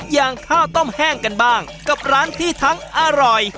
อย่างข้าวต้มแห้งกันบ้างกับร้านที่ทั้งอร่อย